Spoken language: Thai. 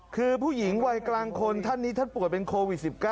คือผู้หญิงวัยกลางคนท่านนี้ท่านป่วยเป็นโควิด๑๙